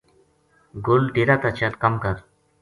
گل ڈیرا تا چل کم کر